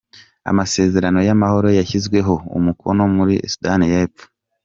Amasezerano y’amahoro yashyizweho umukono muri Sudani y’Epfo